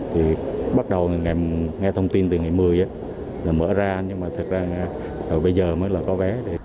thì bắt đầu nghe thông tin từ ngày một mươi là mở ra nhưng mà thật ra bây giờ mới là có vé